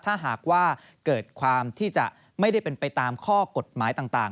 ถ้าหากว่าเกิดความที่จะไม่ได้เป็นไปตามข้อกฎหมายต่าง